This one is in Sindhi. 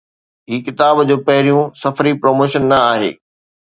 هي ڪتاب جو پهريون سفري پروموشن نه آهي